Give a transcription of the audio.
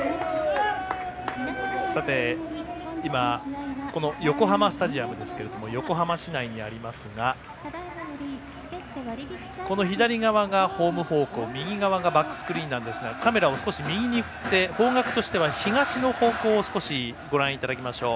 さて、今この横浜スタジアムですけれども横浜市内にありますが左側がホーム方向、右側がバックスクリーンなんですがカメラを少し右に振って方角としては東の方向をご覧いただきましょう。